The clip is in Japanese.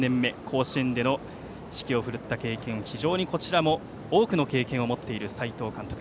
甲子園での指揮を振るった経験が非常にこちらも多くの経験を持っている斎藤監督。